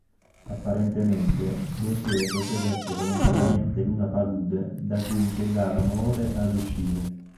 Apparentemente Gautier procedette volontariamente in una palude da cui impiegarono ore ad uscire.